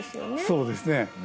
そうですね。